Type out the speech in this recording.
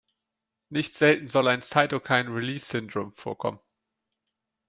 Nicht selten soll ein Cytokine-release syndrome vorkommen.